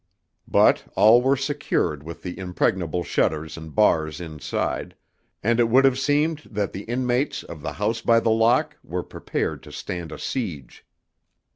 But all were secured with the impregnable shutters and bars inside, and it would have seemed that the inmates of the House by the Lock were prepared to stand a siege.